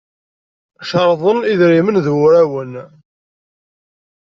Cerḍen idrimen d wurawen.